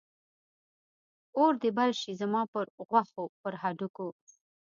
اور دې بل شي زما پر غوښو، پر هډوکو